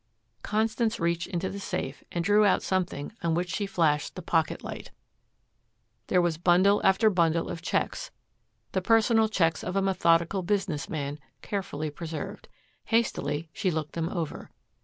Constance reached into the safe and drew out something on which she flashed the pocket light. There was bundle after bundle of checks, the personal checks of a methodical business man, carefully preserved. Hastily she looked them over.